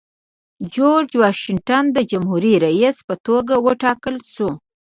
جورج واشنګټن د جمهوري رئیس په توګه وټاکل شو.